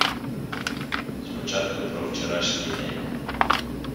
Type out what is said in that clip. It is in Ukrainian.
Спочатку про вчорашній день.